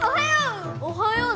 おはよう！